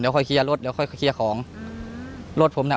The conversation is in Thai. เดี๋ยวค่อยเคลียร์รถแล้วค่อยเคลียร์ของอืมรถผมเนี้ย